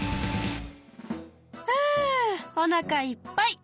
ふおなかいっぱい！